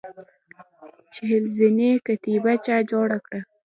چهل زینې کتیبه چا جوړه کړه؟